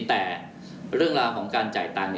แต่เรื่องราวของการจ่ายตังค์